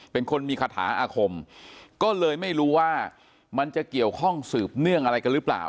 เป็นคนมีคาถาอาคมก็เลยไม่รู้ว่ามันจะเกี่ยวข้องสืบเนื่องอะไรกันหรือเปล่า